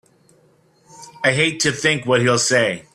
I hate to think what he'll say!